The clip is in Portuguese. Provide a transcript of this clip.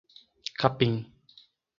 Capim